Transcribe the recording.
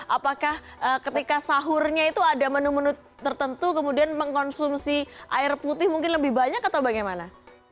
apakah ketika sahurnya itu ada menu menu tertentu kemudian mengkonsumsi air putih mungkin lebih banyak atau bagaimana